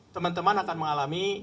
teman teman akan mengalami